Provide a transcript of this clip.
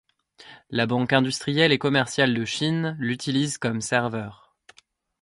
La Banque industrielle et commerciale de Chine l'utilise comme serveur.